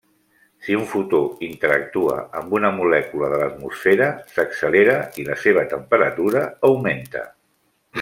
Si un fotó interactua amb una molècula de l'atmosfera, s'accelera i la seva temperatura augmenta.